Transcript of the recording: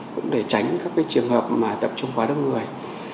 cũng để tránh các trường hợp mà tập trung quá đông người